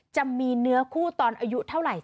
จะมีเนื้อคู่ตอนอายุเท่าไหร่